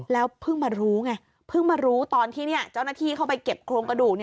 แล้วเพิ่งมารู้ไงเพิ่งมารู้ตอนที่เจ้าหน้าที่เข้าไปเก็บโครงกระดูก